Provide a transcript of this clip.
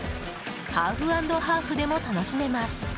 ハーフアンドハーフでも楽しめます。